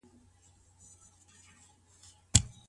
زکات ادا کول دنده ده.